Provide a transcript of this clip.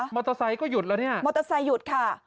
มอเตอร์ไซค์ก็หยุดแล้วเนี่ยมอเตอร์ไซค์หยุดค่ะ